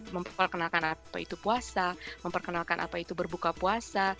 memperkenalkan apa itu puasa memperkenalkan apa itu berbuka puasa